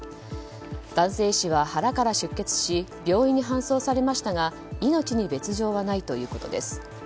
男性医師は腹から出血し病院に搬送されましたが命に別条はないということです。